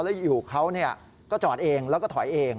แล้วอยู่เขาก็จอดเองแล้วก็ถอยเอง